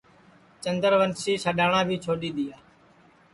چندوسی سڈؔاٹؔا بھی چھوڈؔی دؔیا